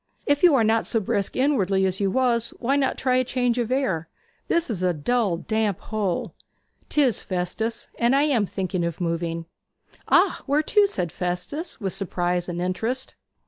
If you are not so brisk inwardly as you was, why not try change of air? This is a dull, damp hole.' ''Tis, Festus; and I am thinking of moving.' 'Ah, where to?' said Festus, with surprise and interest.